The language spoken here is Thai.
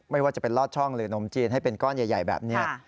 ไม่ว่าจะเป็นลอดช่องหรือนมจีนให้เป็นก้อนใหญ่แบบนี้